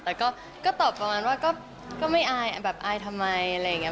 แต่ก็ตอบประมาณว่าก็ไม่อายแบบอายทำไมอะไรอย่างนี้